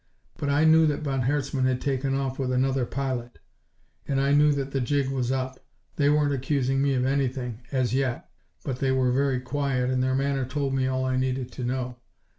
But I knew that von Herzmann had taken off with another pilot, and I knew that the jig was up. They weren't accusing me of anything as yet but they were very quiet and their manner told me all I needed to know.